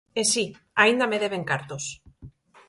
E si, aínda me deben cartos.